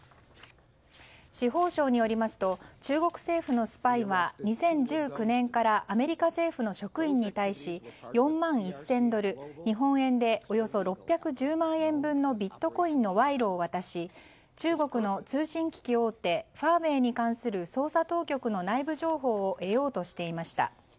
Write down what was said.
司法省によりますと中国政府のスパイは２０１９年からアメリカ政府の職員に対し４万１０００ドル日本円でおよそ６１０万円のビットコインの賄賂を渡し中国の通信機器大手ファーウェイに関する捜査当局の内部情報を得ようとしていました。